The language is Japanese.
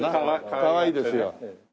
かわいいですよ。